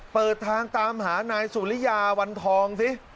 เปิดทางตามหานายสุริยาวันทองสิ